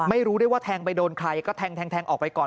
ไม่รู้ได้ว่าแทงไปโดนใครก็แทงออกไปก่อน